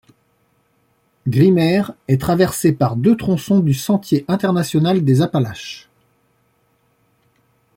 Grimmer est traversé par deux tronçons du Sentier international des Appalaches.